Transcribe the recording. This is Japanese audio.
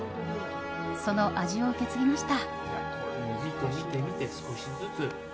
その味を受け継ぎました。